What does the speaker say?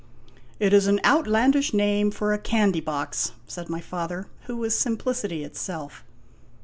" It is an outlandish name for a candy box," said my father, who was simplicity itself.